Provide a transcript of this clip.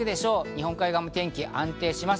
日本海側も天気が安定します。